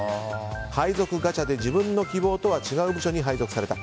配属ガチャで自分の希望とは違う部署に配属された。